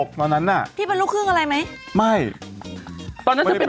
ข้าบังหวามากคุณแม่